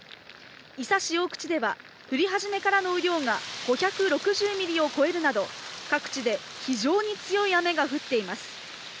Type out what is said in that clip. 伊佐市大口では降り始めからの雨量が５６０ミリを超えるなど、各地で非常に強い雨が降っています。